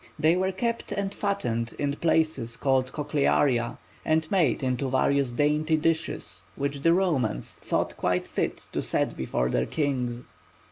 They were kept and fattened in places called "Cochlearia" and made into various "dainty dishes" which the Romans thought quite fit to set before their kings.